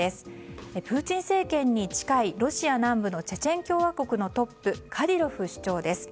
プーチン政権に近いロシア南部のチェチェン共和国のトップ、カディロフ首長です。